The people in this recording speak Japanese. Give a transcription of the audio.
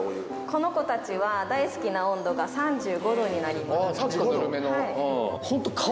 この子たちは、大好き温度は３５度になります。